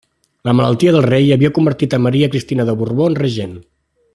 La malaltia del rei havia convertit a Maria Cristina de Borbó en regent.